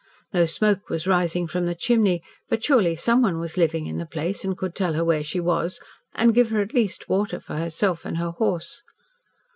No smoke was rising from the chimney, but surely someone was living in the place, and could tell her where she was, and give her at least water for herself and her horse.